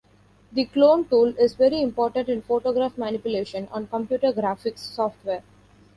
The "Clone" tool is very important in photograph manipulation on computer graphics software.